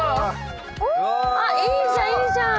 いいじゃんいいじゃん！